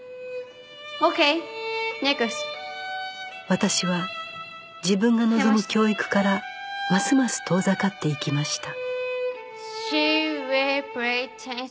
私は自分が望む教育からますます遠ざかっていきました